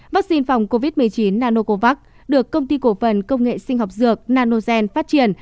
vaccine phòng covid một mươi chín nanocovax được công ty cổ phần công nghệ sinh học dược nanogen phát triển